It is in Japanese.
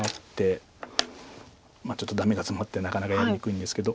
ちょっとダメがツマってなかなかやりにくいんですけど。